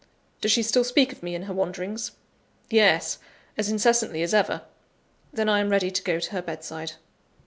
"Does she still speak of me in her wanderings?" "Yes, as incessantly as ever." "Then I am ready to go to her bedside."